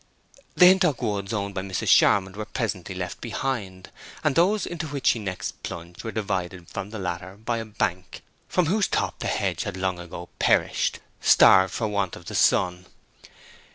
The Hintock woods owned by Mrs. Charmond were presently left behind, and those into which she next plunged were divided from the latter by a bank, from whose top the hedge had long ago perished—starved for want of sun.